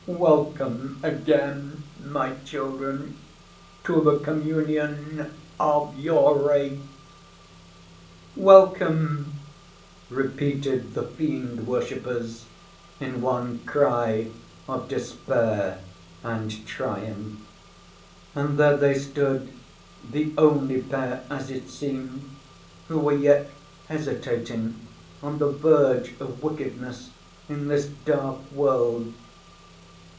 Welcome again, my children, to the communion of your race." "Welcome," repeated the fiend worshippers, in one cry of despair and triumph. And there they stood, the only pair, as it seemed, who were yet hesitating on the verge of wickedness in this dark world.